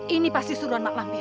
ini pasti suruhan maklampir